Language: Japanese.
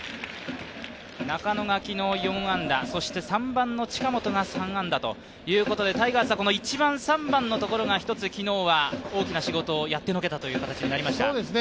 中野が昨日４安打、３番の近本が３安打ということでタイガースは１番、３番のところが大きな仕事をやってのけたという形になりました。